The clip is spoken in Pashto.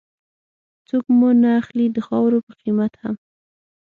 څوک مو نه اخلي د خاورو په قيمت هم